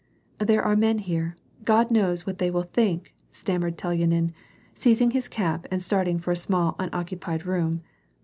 "There are men here ; God knows what they will think," stam mered Telyanin, seizing his cap and starting for a small unoccu pied room.